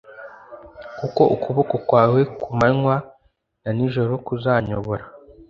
kuko ukuboko kwawe ku manywa na nijoro kuzanyobora